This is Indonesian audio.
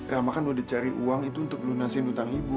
rama kan udah dicari uang itu untuk lunasin utang ibu